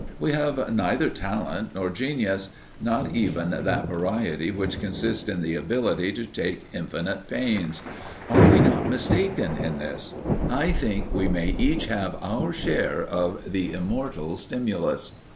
We have neither talent nor genius not even that variety which consists in the ability to take infinite pains. Are we not mistaken in this? I think we may each have our share of the immortal stimulus.